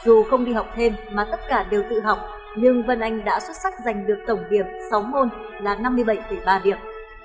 dù không đi học thêm mà tất cả đều tự học nhưng vân anh đã xuất sắc giành được tổng điểm sáu môn là năm mươi bảy ba điểm